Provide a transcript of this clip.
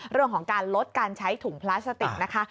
เรื่องของการลดการใช้ถุงพลาสติกนะคะ